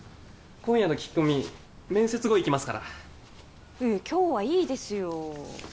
今夜の聞き込み面接後行きますからいやいや今日はいいですよ